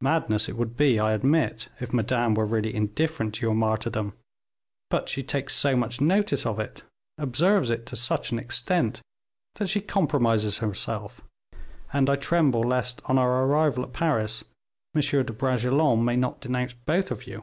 "Madness it would be, I admit, if Madame were really indifferent to your martyrdom; but she takes so much notice of it, observes it to such an extent, that she compromises herself, and I tremble lest, on our arrival at Paris, M. de Bragelonne may not denounce both of you."